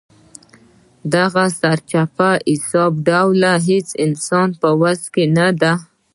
دغه سرچپه حساب درول د هېڅ انسان په وس کې نه ده.